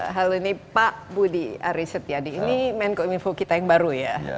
halo ini pak budi arisetyadi ini main konektivitas kita yang baru ya